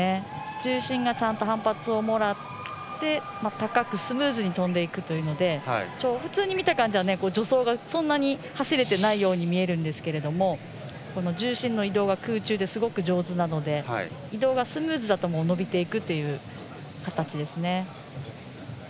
重心がちゃんと反発をもらって高くスムーズに跳んでいくというので普通に見た感じだと助走がそんなに走れていないように見えるんですけれども重心の移動が空中ですごく上手なので移動がスムーズだと伸びていくという形ですね。